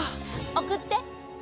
送って。